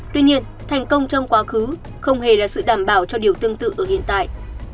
tuy nhiên thành công trong quá khứ không hề là sự đảm bảo cho điều tương tự ở hiện tại